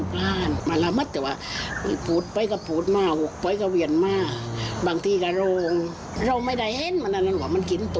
บางทีก็โรง